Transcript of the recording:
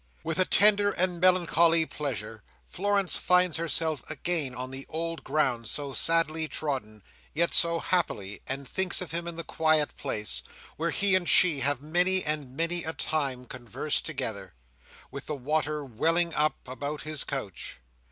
With a tender melancholy pleasure, Florence finds herself again on the old ground so sadly trodden, yet so happily, and thinks of him in the quiet place, where he and she have many and many a time conversed together, with the water welling up about his couch.